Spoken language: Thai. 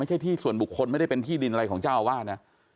ที่ส่วนบุคคลไม่ได้เป็นที่ดินอะไรของเจ้าอาวาสนะ